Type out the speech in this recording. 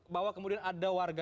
bahwa kemudian ada warga